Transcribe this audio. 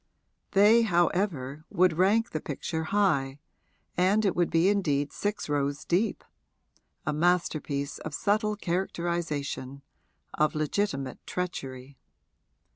They, however, would rank the picture high, and it would be indeed six rows deep a masterpiece of subtle characterisation, of legitimate treachery.